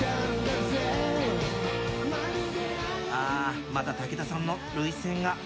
あー、また武田さんの涙せんが。